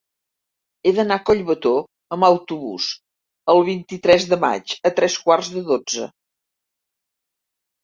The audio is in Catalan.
He d'anar a Collbató amb autobús el vint-i-tres de maig a tres quarts de dotze.